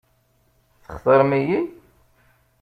Textaṛem-iyi?